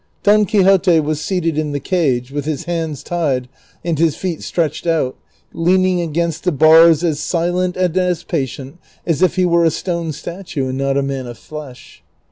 Don Quixote was seated in the cage, with his hands tied and his feet stretched out, leaning against the bars as silent and as patient as if he were a stone statue and not a man of flesh.